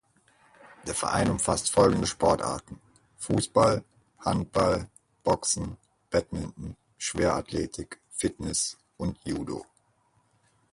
Der Verein umfasst folgende Sportarten: Fußball, Handball, Boxen, Badminton, Schwerathletik, Fitness und Judo.